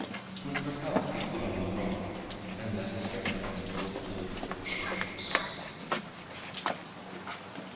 With her help he put on the robe, and let his hair down till it flowed over his shoulders.